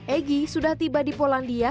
egy sudah tiba di polandia